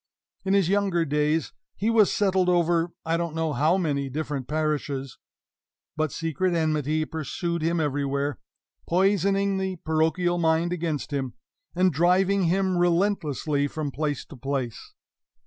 In his younger days he was settled over I don't know how many different parishes; but secret enmity pursued him everywhere, poisoning the parochial mind against him, and driving him relentlessly from place to place.